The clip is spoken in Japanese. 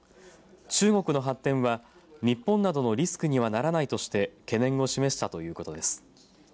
中国の発展は日本などのリスクにはならないとして懸念を示したということです。